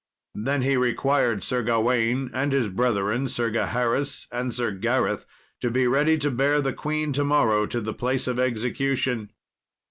Then he required Sir Gawain and his brethren, Sir Gaheris and Sir Gareth, to be ready to bear the queen to morrow to the place of execution.